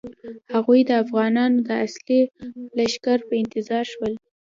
هغوی د افغانانو د اصلي لښکر په انتظار شول.